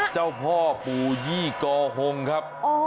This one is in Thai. เจ้าพ่อปู่ยี่กอฮงครับ